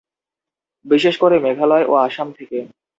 বিশেষ করে মেঘালয় ও আসাম থেকে।